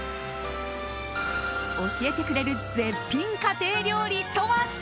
教えてくれる絶品家庭料理とは？